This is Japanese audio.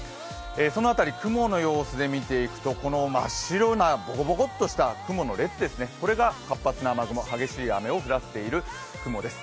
その辺り、雲の様子で見ていくと、真っ白なボコボコとした雲の列ですね、これが活発な雨雲激しい雨を降らせている雲です。